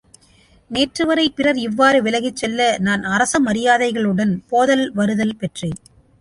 நேற்று வரை பிறர் இவ்வாறு விலகிச் செல்ல, நான் அரசமரியாதைகளுடன் போதல் வருதல் பெற்றேன்.